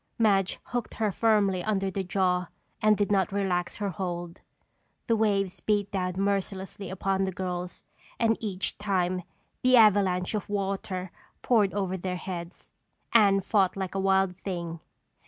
Madge hooked her firmly under the jaw and did not relax her hold. The waves beat down mercilessly upon the girls and each time the avalanche of water poured over their heads. Anne fought like a wild thing.